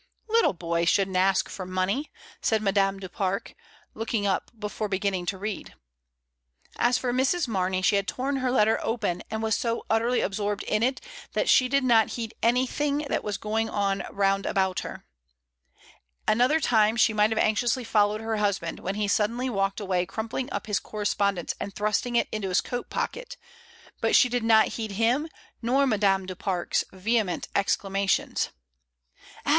"Little boys shouldn't ask for money," said Ma dame du Pare, looking up before beginning to read. As for Mrs. Mamey, she had torn her letter open and was so utterly absorbed in it that she did not heed anything that was going on round about her. Another time she might have anxiously followed her husband, when he suddenly walked away cnmipling up his correspondence and thrusting it into his coat pocket, but she did not heed him, nor Madame du Parc's vehement exclamations. "As 4* 52 MRS.